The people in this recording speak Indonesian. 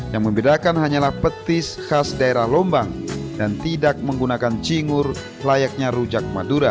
yang membedakan hanyalah petis khas daerah lombang dan tidak menggunakan cingur layaknya rujak madura